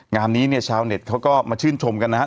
งานนี้เนี่ยชาวเน็ตเขาก็มาชื่นชมกันนะฮะ